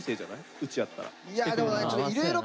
うちやったら。